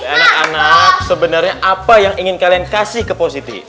anak anak sebenarnya apa yang ingin kalian kasih ke positif